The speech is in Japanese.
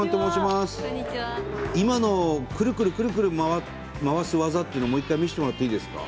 今のクルクルクルクル回す技っていうのもう一回見せてもらっていいですか？